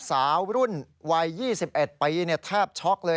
สาวรุ่นวัย๒๑ปีแทบช็อกเลย